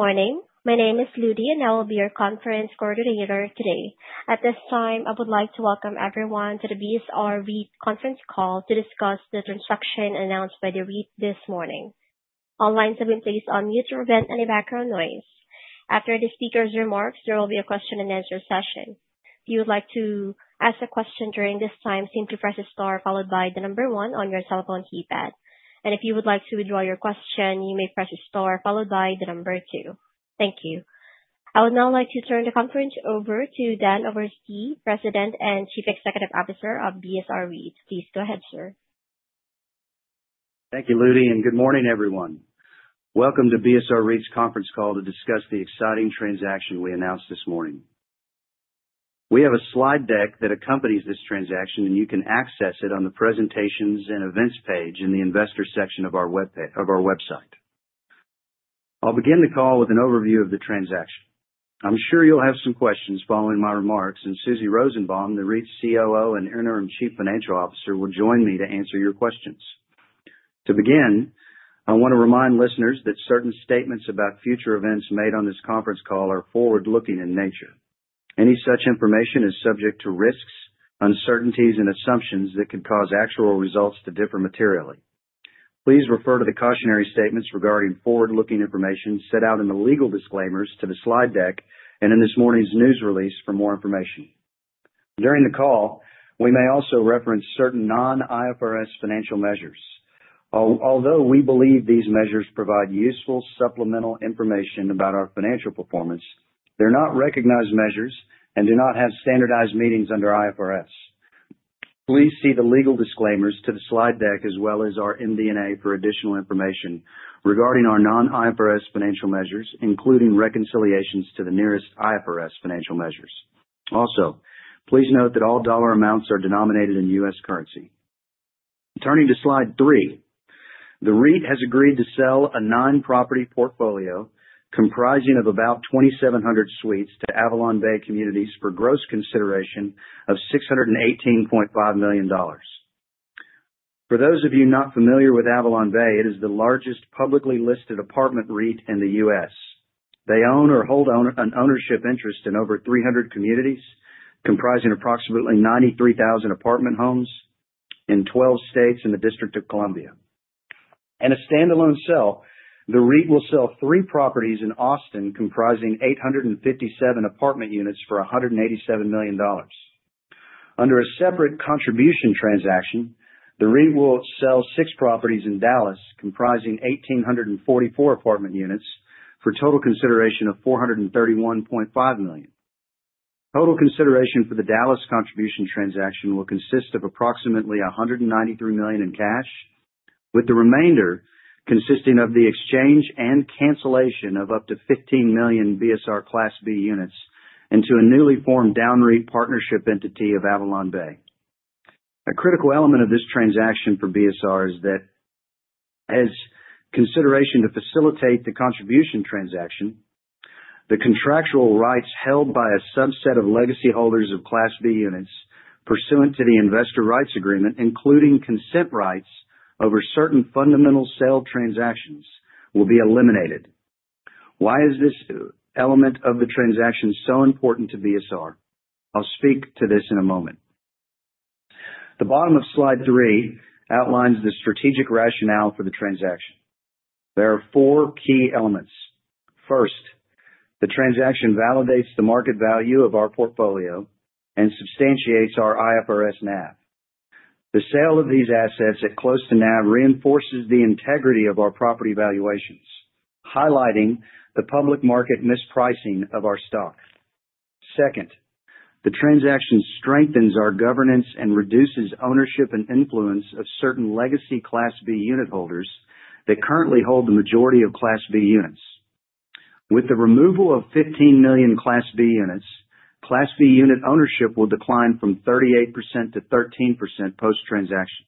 Good morning. My name is Lydia, and I will be your conference coordinator today. At this time, I would like to welcome everyone to the BSR REIT conference call to discuss the transaction announced by the REIT this morning. All lines have been placed on mute to prevent any background noise. After the speaker's remarks, there will be a question-and-answer session. If you would like to ask a question during this time, simply press a star followed by the number one on your cell phone keypad, and if you would like to withdraw your question, you may press a star followed by the number two. Thank you. I would now like to turn the conference over to Dan Oberste, President and Chief Executive Officer of BSR REIT. Please go ahead, sir. Thank you, Lydia, and good morning, everyone. Welcome to BSR REIT's conference call to discuss the exciting transaction we announced this morning. We have a slide deck that accompanies this transaction, and you can access it on the Presentations and Events page in the Investor section of our website. I'll begin the call with an overview of the transaction. I'm sure you'll have some questions following my remarks, and Susie Rosenbaum, the REIT's COO and Interim Chief Financial Officer, will join me to answer your questions. To begin, I want to remind listeners that certain statements about future events made on this conference call are forward-looking in nature. Any such information is subject to risks, uncertainties, and assumptions that could cause actual results to differ materially. Please refer to the cautionary statements regarding forward-looking information set out in the legal disclaimers to the slide deck and in this morning's news release for more information. During the call, we may also reference certain non-IFRS financial measures. Although we believe these measures provide useful supplemental information about our financial performance, they're not recognized measures and do not have standardized meanings under IFRS. Please see the legal disclaimers to the slide deck as well as our MD&A for additional information regarding our non-IFRS financial measures, including reconciliations to the nearest IFRS financial measures. Also, please note that all dollar amounts are denominated in U.S. currency. Turning to slide three, the REIT has agreed to sell a nine-property portfolio comprising of about 2,700 suites to AvalonBay Communities for gross consideration of $618.5 million. For those of you not familiar with AvalonBay, it is the largest publicly listed apartment REIT in the U.S. They own or hold an ownership interest in over 300 communities comprising approximately 93,000 apartment homes in 12 states in the District of Columbia. In a standalone sale, the REIT will sell three properties in Austin comprising 857 apartment units for $187 million. Under a separate contribution transaction, the REIT will sell six properties in Dallas comprising 1,844 apartment units for a total consideration of $431.5 million. Total consideration for the Dallas contribution transaction will consist of approximately $193 million in cash, with the remainder consisting of the exchange and cancellation of up to 15 million BSR Class B units into a newly formed DownREIT partnership entity of AvalonBay. A critical element of this transaction for BSR is that, as consideration to facilitate the contribution transaction, the contractual rights held by a subset of legacy holders of Class B units pursuant to the Investor Rights Agreement, including consent rights over certain fundamental sale transactions, will be eliminated. Why is this element of the transaction so important to BSR? I'll speak to this in a moment. The bottom of slide three outlines the strategic rationale for the transaction. There are four key elements. First, the transaction validates the market value of our portfolio and substantiates our IFRS NAV. The sale of these assets at close to NAV reinforces the integrity of our property valuations, highlighting the public market mispricing of our stock. Second, the transaction strengthens our governance and reduces ownership and influence of certain legacy Class B unit holders that currently hold the majority of Class B units. With the removal of 15 million Class B units, Class B unit ownership will decline from 38% to 13% post-transaction.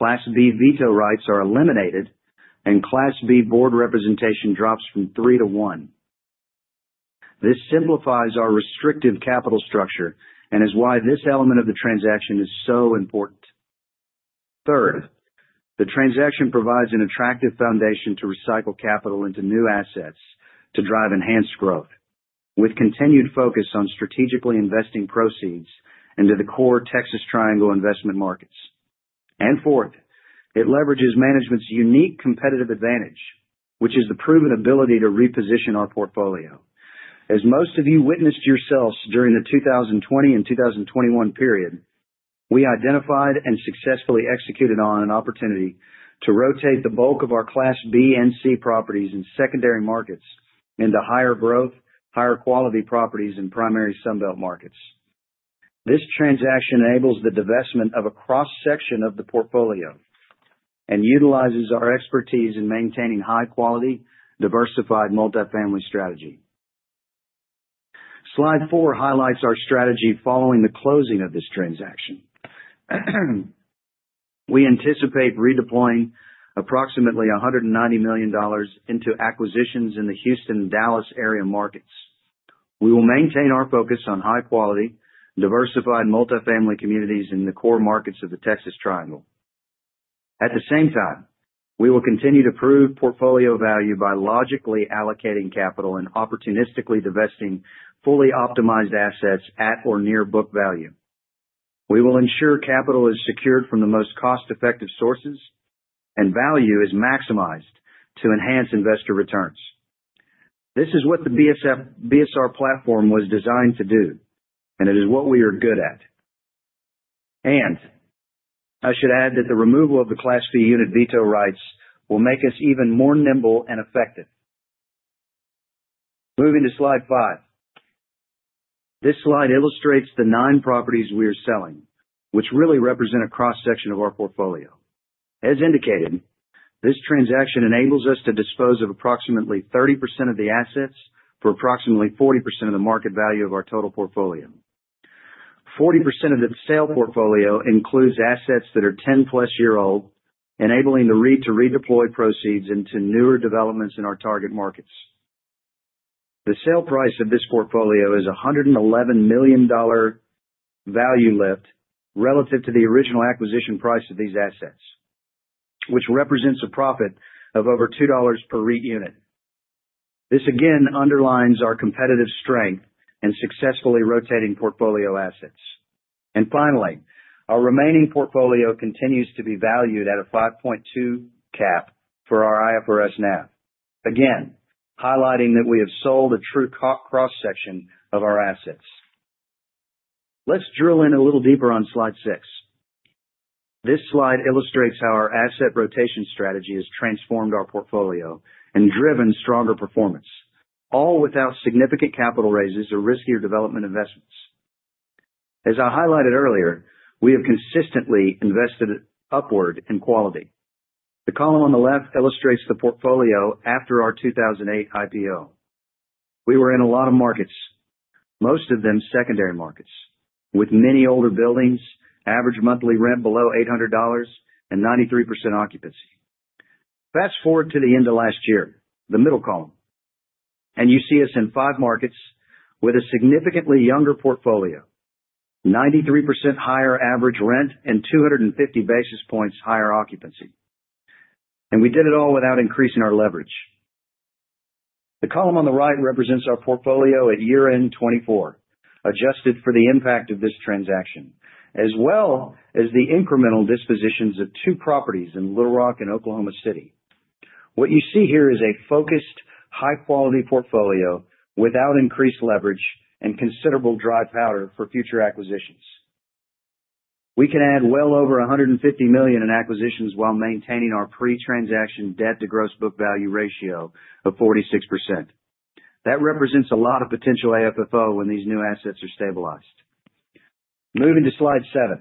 Class B veto rights are eliminated, and Class B board representation drops from three to one. This simplifies our restrictive capital structure and is why this element of the transaction is so important. Third, the transaction provides an attractive foundation to recycle capital into new assets to drive enhanced growth, with continued focus on strategically investing proceeds into the core Texas Triangle investment markets. And fourth, it leverages management's unique competitive advantage, which is the proven ability to reposition our portfolio. As most of you witnessed yourselves during the 2020 and 2021 period, we identified and successfully executed on an opportunity to rotate the bulk of our Class B and C properties in secondary markets into higher-growth, higher-quality properties in primary Sunbelt markets. This transaction enables the divestment of a cross-section of the portfolio and utilizes our expertise in maintaining high-quality, diversified multifamily strategy. Slide four highlights our strategy following the closing of this transaction. We anticipate redeploying approximately $190 million into acquisitions in the Houston and Dallas area markets. We will maintain our focus on high-quality, diversified multifamily communities in the core markets of the Texas Triangle. At the same time, we will continue to prove portfolio value by logically allocating capital and opportunistically divesting fully optimized assets at or near book value. We will ensure capital is secured from the most cost-effective sources and value is maximized to enhance investor returns. This is what the BSR platform was designed to do, and it is what we are good at, and I should add that the removal of the Class B unit veto rights will make us even more nimble and effective. Moving to slide five, this slide illustrates the nine properties we are selling, which really represent a cross-section of our portfolio. As indicated, this transaction enables us to dispose of approximately 30% of the assets for approximately 40% of the market value of our total portfolio. 40% of the sale portfolio includes assets that are 10-plus years old, enabling the REIT to redeploy proceeds into newer developments in our target markets. The sale price of this portfolio is $111 million value lift relative to the original acquisition price of these assets, which represents a profit of over $2 per REIT unit. This again underlines our competitive strength and successfully rotating portfolio assets. And finally, our remaining portfolio continues to be valued at a 5.2 cap for our IFRS NAV, again highlighting that we have sold a true cross-section of our assets. Let's drill in a little deeper on slide six. This slide illustrates how our asset rotation strategy has transformed our portfolio and driven stronger performance, all without significant capital raises or riskier development investments. As I highlighted earlier, we have consistently invested upward in quality. The column on the left illustrates the portfolio after our 2008 IPO. We were in a lot of markets, most of them secondary markets, with many older buildings, average monthly rent below $800, and 93% occupancy. Fast forward to the end of last year, the middle column, and you see us in five markets with a significantly younger portfolio, 93% higher average rent and 250 basis points higher occupancy. And we did it all without increasing our leverage. The column on the right represents our portfolio at year-end 2024, adjusted for the impact of this transaction, as well as the incremental dispositions of two properties in Little Rock and Oklahoma City. What you see here is a focused, high-quality portfolio without increased leverage and considerable dry powder for future acquisitions. We can add well over $150 million in acquisitions while maintaining our pre-transaction debt-to-gross book value ratio of 46%. That represents a lot of potential AFFO when these new assets are stabilized. Moving to slide seven.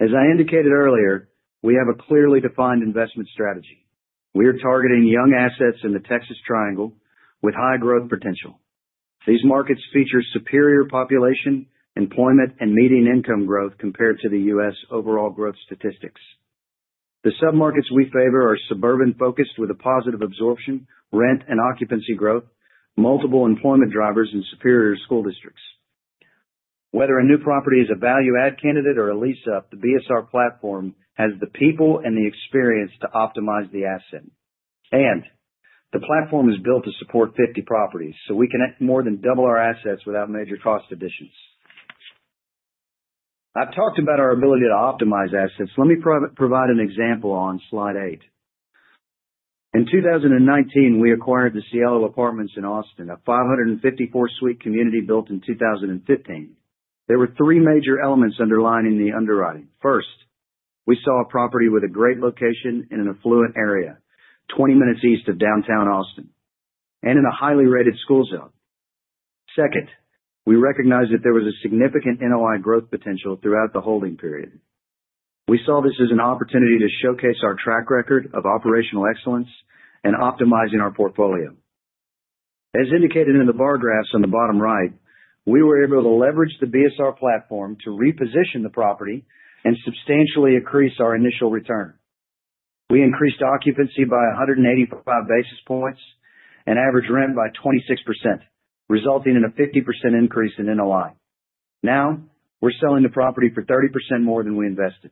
As I indicated earlier, we have a clearly defined investment strategy. We are targeting young assets in the Texas Triangle with high growth potential. These markets feature superior population, employment, and median income growth compared to the U.S. overall growth statistics. The sub-markets we favor are suburban-focused with a positive absorption, rent, and occupancy growth, multiple employment drivers, and superior school districts. Whether a new property is a value-add candidate or a lease-up, the BSR platform has the people and the experience to optimize the asset. The platform is built to support 50 properties, so we can more than double our assets without major cost additions. I've talked about our ability to optimize assets. Let me provide an example on slide eight. In 2019, we acquired Cielo in Austin, a 554-suite community built in 2015. There were three major elements underlining the underwriting. First, we saw a property with a great location in an affluent area, 20 minutes east of downtown Austin, and in a highly rated school zone. Second, we recognized that there was a significant NOI growth potential throughout the holding period. We saw this as an opportunity to showcase our track record of operational excellence and optimizing our portfolio. As indicated in the bar graphs on the bottom right, we were able to leverage the BSR platform to reposition the property and substantially increase our initial return. We increased occupancy by 185 basis points and average rent by 26%, resulting in a 50% increase in NOI. Now we're selling the property for 30% more than we invested.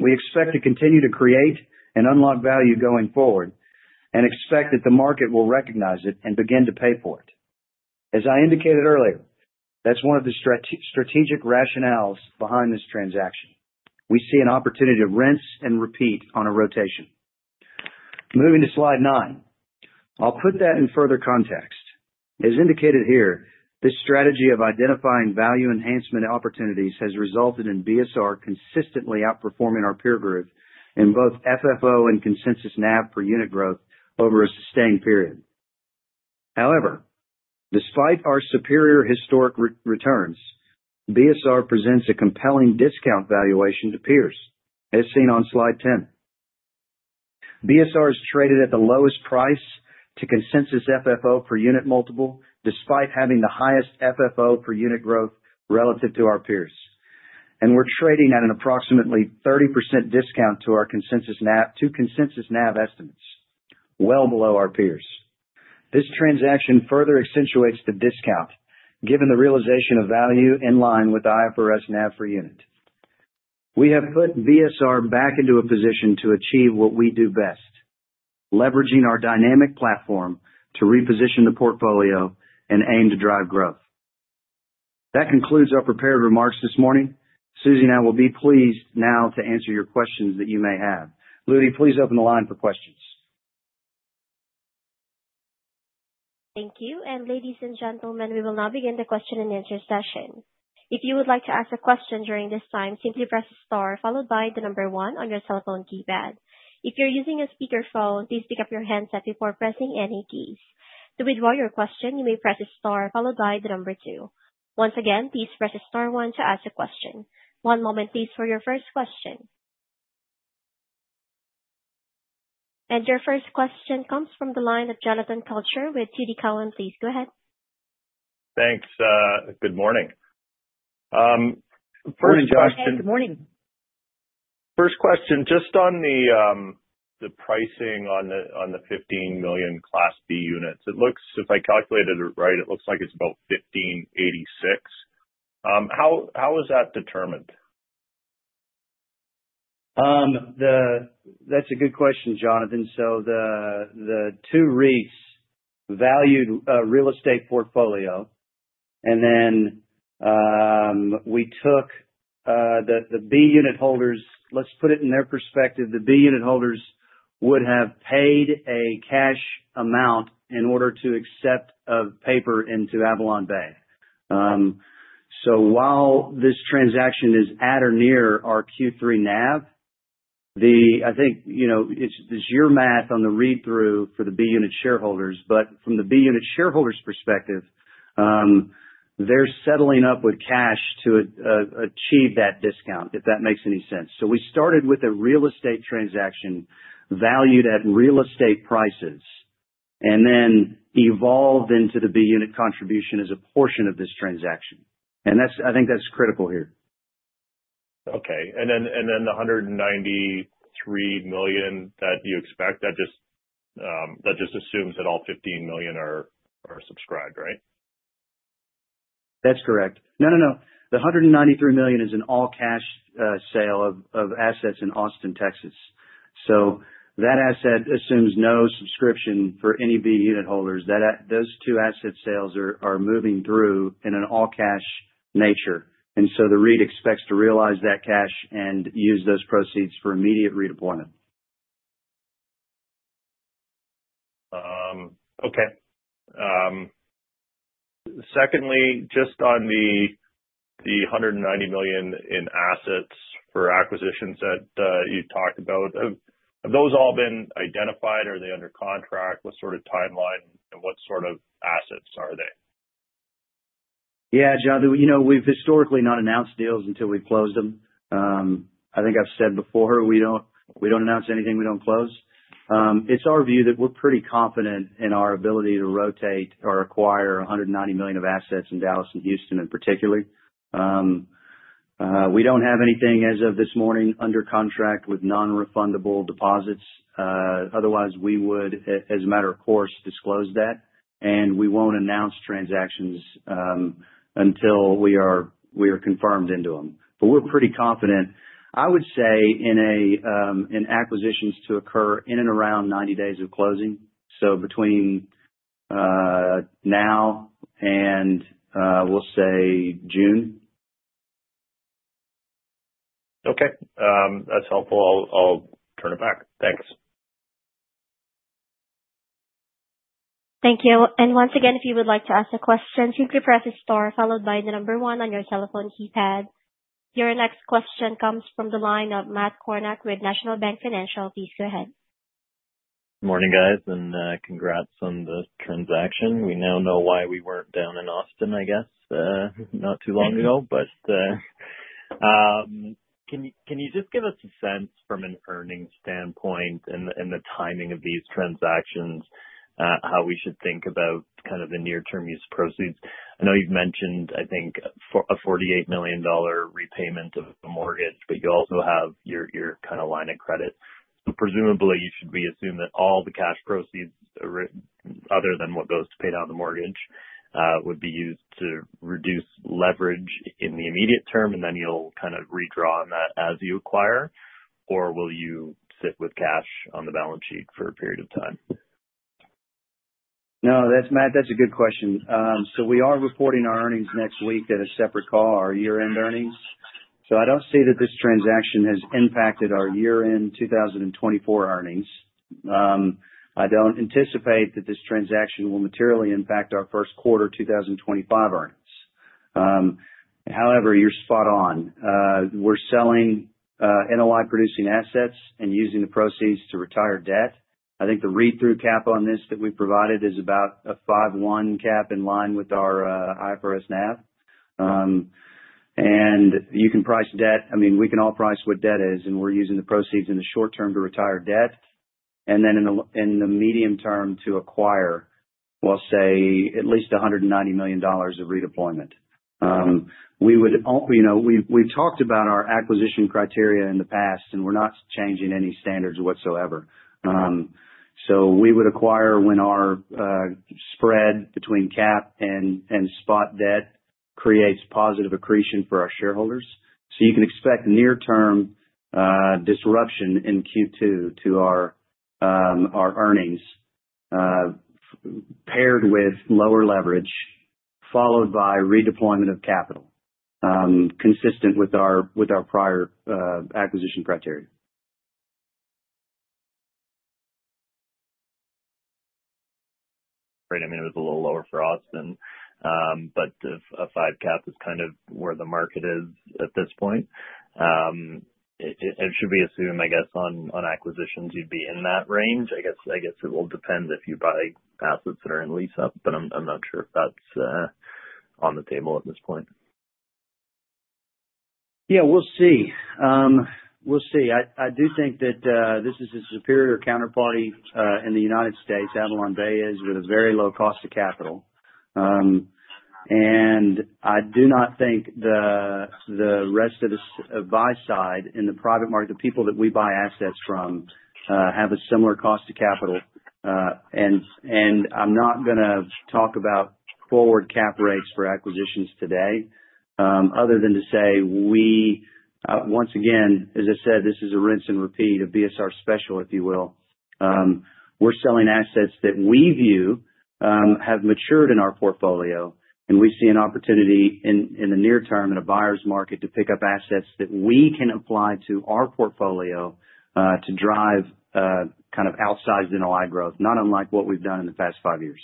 We expect to continue to create and unlock value going forward and expect that the market will recognize it and begin to pay for it. As I indicated earlier, that's one of the strategic rationales behind this transaction. We see an opportunity to rent and repeat on a rotation. Moving to slide nine, I'll put that in further context. As indicated here, this strategy of identifying value enhancement opportunities has resulted in BSR consistently outperforming our peer group in both FFO and consensus NAV per unit growth over a sustained period. However, despite our superior historic returns, BSR presents a compelling discount valuation to peers, as seen on slide 10. BSR is traded at the lowest price to consensus FFO per unit multiple, despite having the highest FFO per unit growth relative to our peers. And we're trading at an approximately 30% discount to our consensus NAV estimates, well below our peers. This transaction further accentuates the discount, given the realization of value in line with IFRS NAV per unit. We have put BSR back into a position to achieve what we do best, leveraging our dynamic platform to reposition the portfolio and aim to drive growth. That concludes our prepared remarks this morning. Susie, now we'll be pleased to answer your questions that you may have. Lydia, please open the line for questions. Thank you. And ladies and gentlemen, we will now begin the question and answer session. If you would like to ask a question during this time, simply press star followed by the number one on your cell phone keypad. If you're using a speakerphone, please pick up your handset before pressing any keys. To withdraw your question, you may press star followed by the number two. Once again, please press star one to ask a question. One moment, please, for your first question. Your first question comes from the line of Jonathan Kelcher with TD Cowen. Please go ahead. Thanks. Good morning. First question. Good morning. Good morning. First question, just on the pricing on the 15 million Class B units, it looks if I calculated it right, it looks like it's about $1,586. How is that determined? That's a good question, Jonathan. So, the two REITs valued real estate portfolio, and then we took the B unit holders. Let's put it in their perspective. The B unit holders would have paid a cash amount in order to accept a paper into AvalonBay. So while this transaction is at or near our Q3 NAV, I think it's your math on the read-through for the B unit shareholders. But from the B unit shareholders' perspective, they're settling up with cash to achieve that discount, if that makes any sense. So we started with a real estate transaction valued at real estate prices and then evolved into the B unit contribution as a portion of this transaction. And I think that's critical here. Okay. And then the $193 million that you expect, that just assumes that all 15 million are subscribed, right? That's correct. No, no, no. The $193 million is an all-cash sale of assets in Austin, Texas, so that asset assumes no subscription for any B unit holders. Those two asset sales are moving through in an all-cash nature, and so the REIT expects to realize that cash and use those proceeds for immediate redeployment. Okay. Secondly, just on the $190 million in assets for acquisitions that you talked about, have those all been identified? Are they under contract? What sort of timeline and what sort of assets are they? Yeah, Jonathan, we've historically not announced deals until we've closed them. I think I've said before, we don't announce anything we don't close. It's our view that we're pretty confident in our ability to rotate or acquire $190 million of assets in Dallas and Houston in particular. We don't have anything as of this morning under contract with non-refundable deposits. Otherwise, we would, as a matter of course, disclose that. And we won't announce transactions until we are confirmed into them. But we're pretty confident, I would say, in acquisitions to occur in and around 90 days of closing. So between now and we'll say June. Okay. That's helpful. I'll turn it back. Thanks. Thank you. And once again, if you would like to ask a question, simply press star followed by the number one on your cell phone keypad. Your next question comes from the line of Matt Kornack with National Bank Financial. Please go ahead. Good morning, guys, and congrats on the transaction. We now know why we weren't down in Austin, I guess, not too long ago. But can you just give us a sense from an earnings standpoint and the timing of these transactions, how we should think about kind of the near-term use proceeds? I know you've mentioned, I think, a $48 million repayment of a mortgage, but you also have your kind of line of credit. Presumably, you should be assumed that all the cash proceeds, other than what goes to pay down the mortgage, would be used to reduce leverage in the immediate term, and then you'll kind of redraw on that as you acquire, or will you sit with cash on the balance sheet for a period of time? No, Matt, that's a good question. So we are reporting our earnings next week at a separate call, our year-end earnings. So I don't see that this transaction has impacted our year-end 2024 earnings. I don't anticipate that this transaction will materially impact our first quarter 2025 earnings. However, you're spot on. We're selling NOI-producing assets and using the proceeds to retire debt. I think the read-through cap on this that we provided is about a 5.1 cap in line with our IFRS NAV, and you can price debt, I mean, we can all price what debt is, and we're using the proceeds in the short term to retire debt and then in the medium term to acquire, we'll say, at least $190 million of redeployment. We've talked about our acquisition criteria in the past, and we're not changing any standards whatsoever, so we would acquire when our spread between cap and spot debt creates positive accretion for our shareholders, so you can expect near-term disruption in Q2 to our earnings paired with lower leverage followed by redeployment of capital, consistent with our prior acquisition criteria. Right. I mean, it was a little lower for Austin, but a 5 cap is kind of where the market is at this point. It should be assumed, I guess, on acquisitions you'd be in that range. I guess it will depend if you buy assets that are in lease-up, but I'm not sure if that's on the table at this point. Yeah, we'll see. We'll see. I do think that this is a superior counterparty in the United States. AvalonBay is with a very low cost of capital. And I do not think the rest of the buy side in the private market, the people that we buy assets from, have a similar cost of capital. And I'm not going to talk about forward cap rates for acquisitions today other than to say, once again, as I said, this is a rinse and repeat of BSR Special, if you will. We're selling assets that we view have matured in our portfolio, and we see an opportunity in the near term in a buyer's market to pick up assets that we can apply to our portfolio to drive kind of outsized NOI growth, not unlike what we've done in the past five years.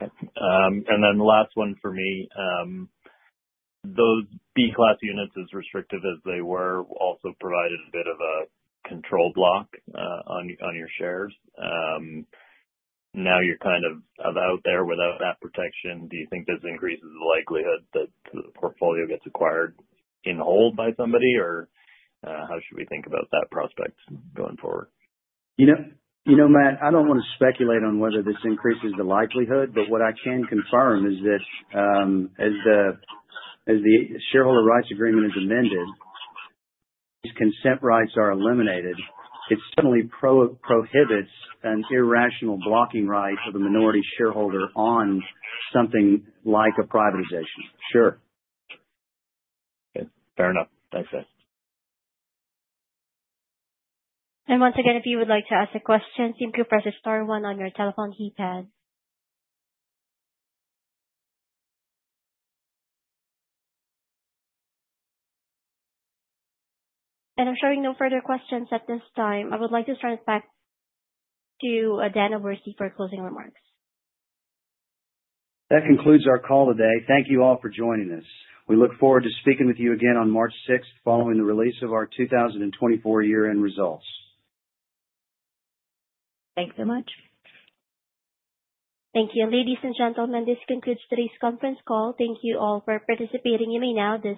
And then the last one for me, those Class B units, as restrictive as they were, also provided a bit of a control block on your shares. Now you're kind of out there without that protection. Do you think this increases the likelihood that the portfolio gets acquired in whole by somebody, or how should we think about that prospect going forward? You know, Matt, I don't want to speculate on whether this increases the likelihood, but what I can confirm is that as the shareholder rights agreement is amended, these consent rights are eliminated. It certainly prohibits an irrational blocking right of a minority shareholder on something like a privatization. Sure. Fair enough. Thanks, guys. And once again, if you would like to ask a question, simply press star one on your cell phone keypad. And I'm showing no further questions at this time. I would like to turn it back to Dan Oberste for closing remarks. That concludes our call today. Thank you all for joining us. We look forward to speaking with you again on March 6th following the release of our 2024 year-end results. Thanks so much. Thank you. Ladies and gentlemen, this concludes today's conference call. Thank you all for participating. You may now.